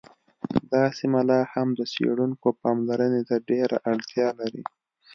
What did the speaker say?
دا سیمه لا هم د څیړونکو پاملرنې ته ډېره اړتیا لري